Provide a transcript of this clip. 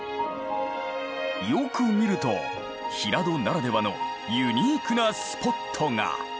よく見ると平戸ならではのユニークなスポットが。